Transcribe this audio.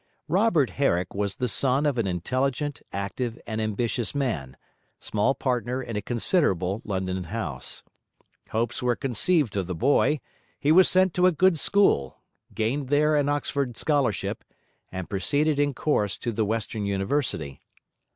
Robert Herrick was the son of an intelligent, active, and ambitious man, small partner in a considerable London house. Hopes were conceived of the boy; he was sent to a good school, gained there an Oxford scholarship, and proceeded in course to the Western University.